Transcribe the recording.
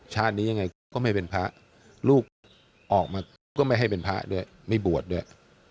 นี้ยังไงเขาก็ไม่เป็นพระลูกออกมาปุ๊บก็ไม่ให้เป็นพระด้วยไม่บวชด้วย